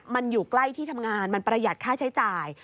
มันอยู่ใกล้ที่ทำงานมันประหยัดค่าใช้จ่าย